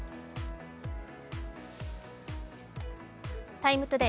「ＴＩＭＥ，ＴＯＤＡＹ」